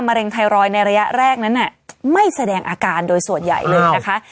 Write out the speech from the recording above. เร็งไทรอยด์ในระยะแรกนั้นไม่แสดงอาการโดยส่วนใหญ่เลยนะคะ